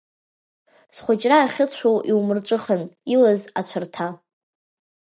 Схәыҷра ахьыцәоу иумырҿыхан, илаз ацәарҭа.